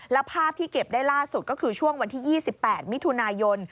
แล้วภาพที่เก็บได้ล่าสุดก็คือช่วงวันที่๒๘มิถุนายน